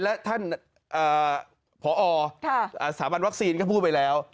และท่านผอสถาบันวัคซีนก็พูดไปแล้ว